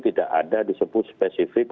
tidak ada disebut spesifik